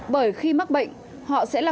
bởi khi mắc bệnh họ sẽ là